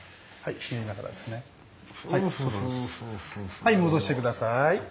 はい戻して下さい。